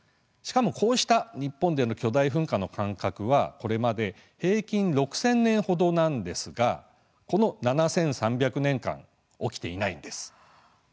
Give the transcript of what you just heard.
しかも、こうした日本での巨大噴火の間隔は平均６０００年ほどなのですがこの７３００年間起きていないのです。